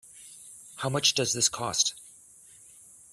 How much does this cost?